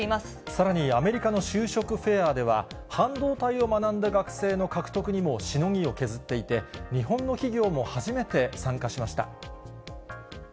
さらにアメリカの就職フェアでは、半導体を学んだ学生の獲得にもしのぎを削っていて、日本の企業も初めて参加しました。